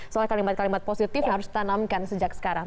soalnya kalimat kalimat positif harus ditanamkan sejak sekarang